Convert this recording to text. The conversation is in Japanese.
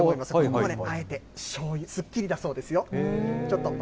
ここはあえて、しょうゆ、すっきりだそうですよ。